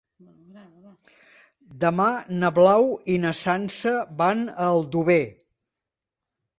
Demà na Blau i na Sança van a Aldover.